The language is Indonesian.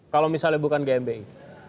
kalau misalnya bukan gmbi